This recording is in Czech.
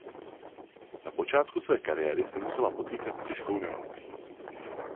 Na počátku své kariéry se musela potýkat s těžkou nemocí.